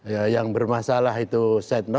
ya yang bermasalah itu setno